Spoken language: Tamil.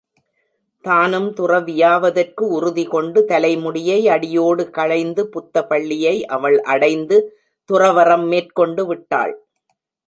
தானும் துறவியாவதற்கு உறுதி கொண்டு தலைமுடியை அடியோடு களைந்து புத்த பள்ளியை அவள் அடைந்து துறவறம் மேற்கொண்டு விட்டாள்.